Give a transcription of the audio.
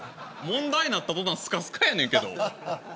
問題になった途端すかすかやねんけど。